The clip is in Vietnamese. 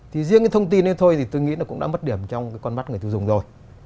thì riêng cái thông tin ấy thôi thì tôi nghĩ là cũng đã mất điểm trong cái con mắt người tiêu dùng rồi